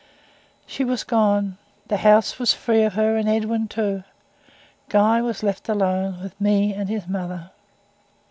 She was gone the house was free of her and Edwin too. Guy was left alone with me and his mother.